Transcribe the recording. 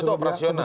oh itu operasional